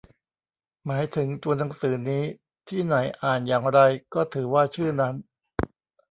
หมายถึงตัวหนังสือนี้ ที่ไหนอ่านอย่างไร ก็ถือว่าชื่อนั้น